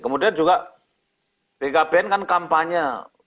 kemudian juga bkbn kan kampanye